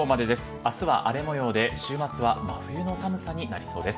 明日は荒れ模様で週末は真冬の寒さになりそうです。